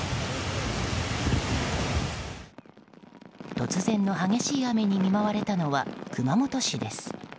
突然の激しい雨に見舞われたのは熊本市です。